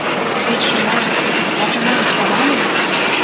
— Шочшынам, ватынам чамане.